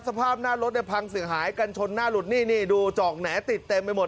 สภาพหน้ารถเนี่ยพังเสียหายกันชนหน้าหลุดนี่นี่ดูจอกแหน่ติดเต็มไปหมด